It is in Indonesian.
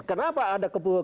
kenapa ada keputusan